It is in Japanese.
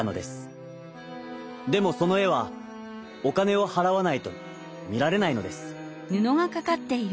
でもそのえはおかねをはらわないとみられないのです。